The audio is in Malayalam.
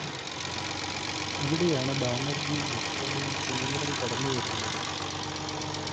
അവിടെയാണ് ബാനർജിയും ദുഫ്ലോയും ക്രീമറും കടന്നുവരുന്നത്.